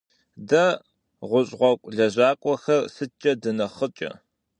Дэ, гъущӏ гъуэгу лэжьакӏуэхэр, сыткӏэ дынэхъыкӏэ?